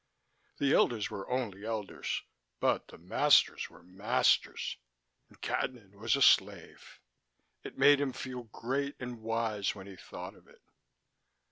The elders were only elders, but the masters were masters, and Cadnan was a slave. It made him feel great and wise when he thought of it.